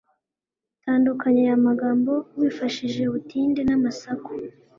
tandukanya aya magambo wifashishije ubutinde n'amasaku